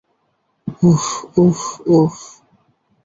উহ, উহ, উহ।